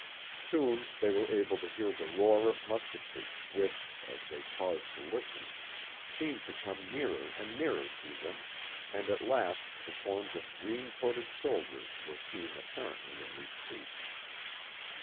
Soon they were able to Hiear the roar of musketry, which, as they paused to listen, Pseemed to come nearer and nearer to them, and at last the forms of green coated soldiers were seen apparently in retreat.